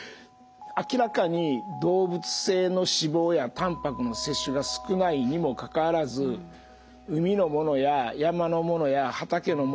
明らかに動物性の脂肪やたんぱくの摂取が少ないにもかかわらず海のものや山のものや畑のもの